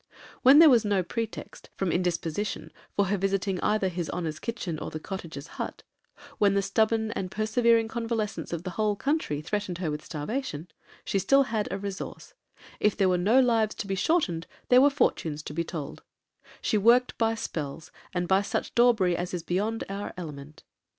When there was no pretext, from indisposition, for her visiting either 'his honor's' kitchen, or the cottar's hut,—when the stubborn and persevering convalescence of the whole country threatened her with starvation,—she still had a resource:—if there were no lives to be shortened, there were fortunes to be told;—she worked 'by spells, and by such daubry as is beyond our element.'